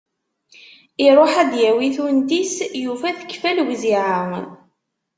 Iruḥ ad d-yawi tunt-is, yufa tekfa lewziεa.